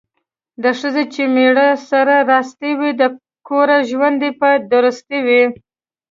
د ښځې چې میړه سره راستي وي، د کور ژوند یې په درستي وي.